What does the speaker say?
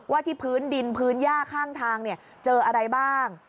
ที่พื้นดินพื้นย่าข้างทางเจออะไรบ้าง